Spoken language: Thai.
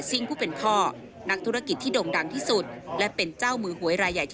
หลังถูกจับตัวได้ที่ด่านตรวจคนเข้าเมืองมุกดาหาน